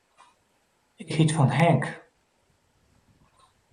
Ik hjit fan Henk.